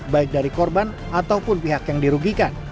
baik dari korban ataupun pihak yang dirugikan